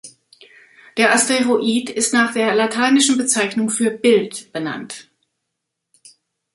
Der Asteroid ist nach der lateinischen Bezeichnung für "Bild" benannt.